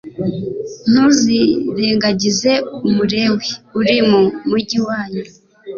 ntuzirengagize umulewi uri mu mugi wanyu